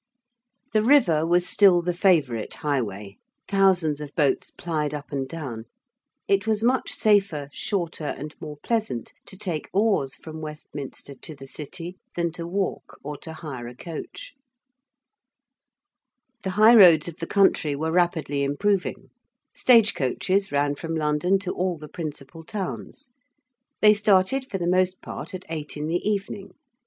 The river was still the favourite highway thousands of boats plied up and down: it was much safer, shorter, and more pleasant to take oars from Westminster to the City than to walk or to hire a coach. [Illustration: UNIFORM OF SAILORS ABOUT 1790.] The high roads of the country were rapidly improving. Stage coaches ran from London to all the principal towns. They started, for the most part, at eight in the evening.